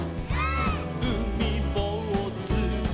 「うみぼうず」「」